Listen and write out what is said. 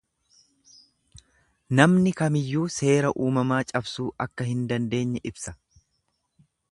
Namni kamiyyuu seera uumamaa cabsuu akka hin dandeenye ibsa.